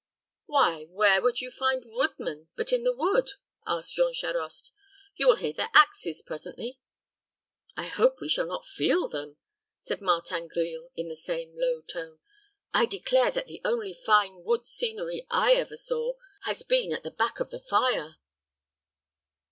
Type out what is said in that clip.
"Why, where would you find woodmen but in the wood?" asked Jean Charost. "You will hear their axes presently." "I hope we shall not feel them," said Martin Grille, in the same low tone. "I declare that the only fine wood scenery I ever saw has been at the back of the fire."